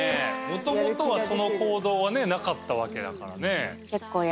もともとはその行動はねなかったわけだからね。